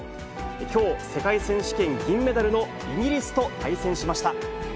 きょう、世界選手権銀メダルのイギリスと対戦しました。